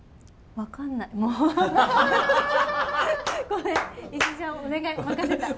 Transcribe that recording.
分かんないって。